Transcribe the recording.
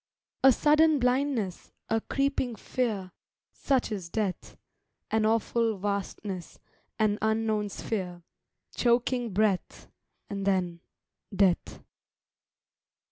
A sudden blindness, a creeping fear, Such is death. An awful vastness, an unknown sphere, Choking breath, And then ... death.